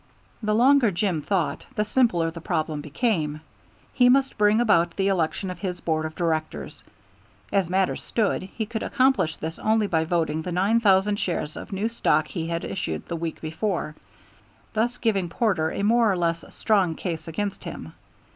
The longer Jim thought, the simpler the problem became. He must bring about the election of his board of directors. As matters stood he could accomplish this only by voting the nine thousand shares of new stock he had issued the week before, thus giving Porter a more or less strong case against him.